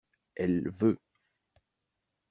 Elle veut.